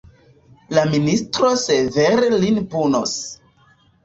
La ministro severe lin punos.